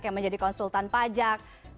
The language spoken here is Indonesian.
yang menjadi konsultan pajak